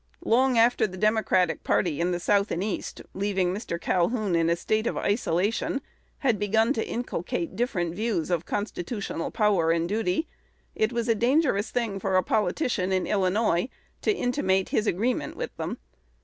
Long after the Democratic party in the South and East, leaving Mr. Calhoun in a state of isolation, had begun to inculcate different views of constitutional power and duty, it was a dangerous thing for a politician in Illinois to intimate his agreement with them.